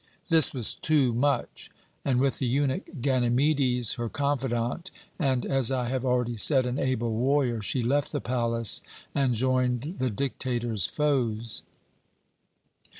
"This was too much, and with the eunuch Ganymedes, her confidant, and as I have already said an able warrior, she left the palace and joined the dictator's foes.